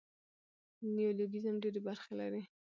نیولوګیزم ډېري برخي لري.